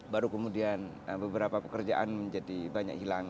baru kemudian beberapa pekerjaan menjadi banyak hilang